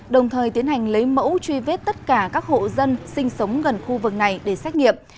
đồng thời tiến hành lấy mẫu truy vết tất cả các hộ dân sinh sống gần khu vực này để xét nghiệm